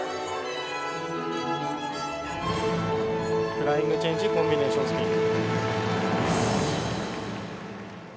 フライングチェンジコンビネーションスピン。